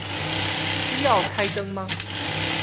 需要開燈嗎